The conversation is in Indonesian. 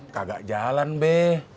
kagak jalan be